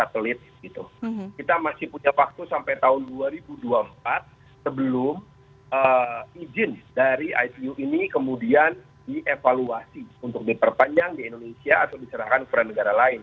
kita masih punya waktu sampai tahun dua ribu dua puluh empat sebelum izin dari icu ini kemudian dievaluasi untuk diperpanjang di indonesia atau diserahkan kepada negara lain